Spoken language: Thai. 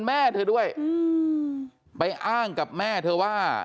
แม่เธอด้วยไปอ้างกับแม่เธอว่า